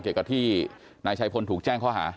เกี่ยวกับที่นายชัยพลถูกแจ้งข้อหา